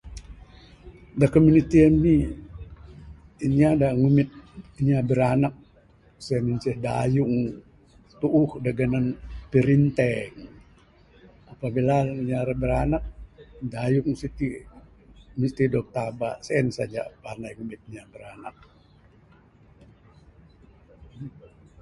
Da komuniti ami, inya da ngumit biranak sien inceh dayung tuuh da ganan pirinteng. Apabila inya ra biranak dayung siti mesti dog taba sien saja panai ngumit inya biranak.